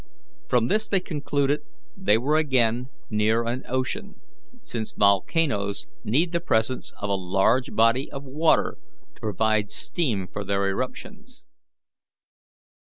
From this they concluded they were again near an ocean, since volcanoes need the presence of a large body of water to provide steam for their eruptions.